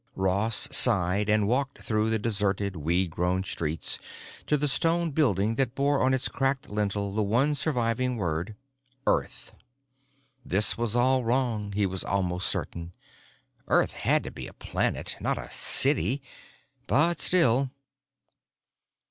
Ross sighed and walked through the deserted, weed grown streets to the stone building that bore on its cracked lintel the one surviving word, "Earth." This was all wrong, he was almost certain; Earth had to be a planet, not a city. But still....